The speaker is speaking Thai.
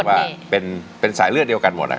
ก็เรียกว่าเป็นสายเลือดเดียวกันหมดนะครับ